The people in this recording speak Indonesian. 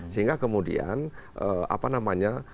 sehingga kemudian apa namanya